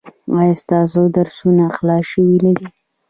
ایا ستاسو درسونه خلاص شوي نه دي؟